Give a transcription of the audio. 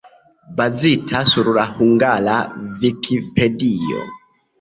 Bazita sur la hungara Vikipedio.